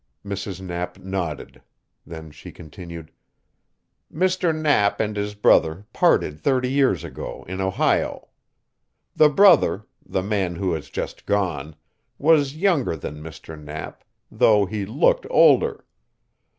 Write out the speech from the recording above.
Mrs. Knapp nodded. Then she continued: "Mr. Knapp and his brother parted thirty years ago in Ohio. The brother the man who has just gone was younger than Mr. Knapp, though he looked older.